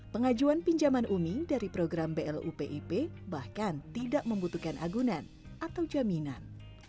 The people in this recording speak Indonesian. pengajuan pinjaman umi dari program blu pip bahkan tidak membutuhkan agunan atau jaminan